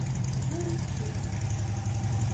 Juruti